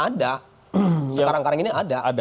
ada sekarang karenginya ada